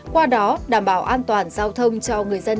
qua đó đảm bảo an toàn giao thông cho người dân